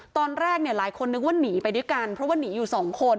ตอนแรกเนี่ยหลายคนนึกว่าหนีไปด้วยกันเพราะว่าหนีอยู่สองคน